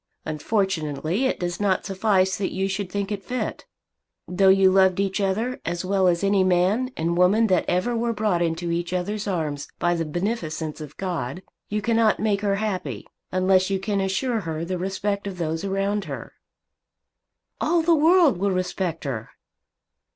Unfortunately it does not suffice that you should think it fit. Though you loved each other as well as any man and woman that ever were brought into each other's arms by the beneficence of God, you cannot make her happy, unless you can assure her the respect of those around her." "All the world will respect her."